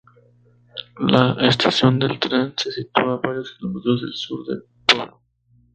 La estación del tren se sitúa varios kilómetros al sur del pueblo.